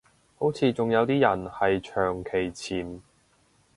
好似仲有啲人係長期潛